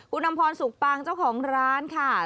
คุณอำพรสุกปางเจ้าของร้านค่ะ